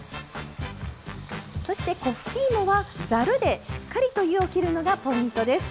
そして粉ふきいもはざるでしっかりと湯をきるのがポイントです。